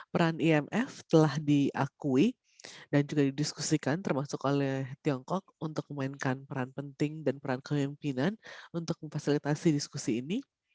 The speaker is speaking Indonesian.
peran imf telah diakui dan juga didiskusikan termasuk oleh tiongkok untuk memainkan peran penting dan peran kemimpinan untuk memfasilitasi diskusi ini